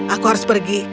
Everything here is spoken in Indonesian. aku harus pergi